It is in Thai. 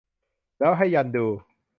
แล้วให้ยันดู